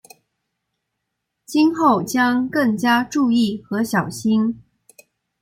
今后将更加注意和小心。